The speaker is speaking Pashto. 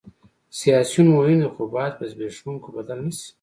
سیاسیون مهم دي خو باید په زبېښونکو بدل نه شي